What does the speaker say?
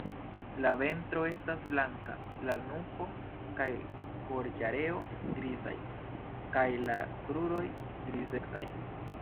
La ventro estas blanka, la nuko kaj gorĝareo grizaj kaj la kruroj grizecaj.